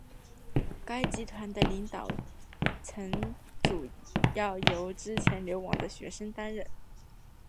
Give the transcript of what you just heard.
该集团的领导层主要由之前流亡的学生担任。